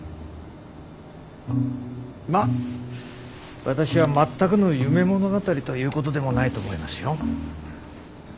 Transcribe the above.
まあ私は全くの夢物語ということでもないと思いますよ。